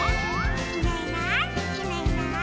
「いないいないいないいない」